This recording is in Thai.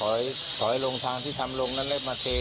แล้วก็มาถอยลงทางที่ทำลงแล้วเลยมาเท